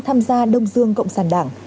tham gia đông dương cộng sản đảng